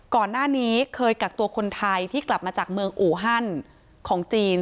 ก่อนหน้านี้เคยกักตัวคนไทยที่กลับมาจากเมืองอูฮันของจีน